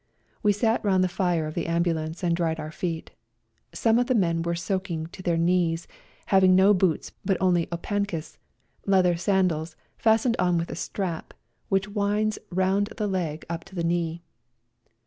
We sat round the fire of the ambulance and dried our feet. Some of the men were soaking to the knees, having no boots, but only opankis, leather sandals fastened on with a strap which winds 68 A RIDE TO KALABAC round the leg up to the knee.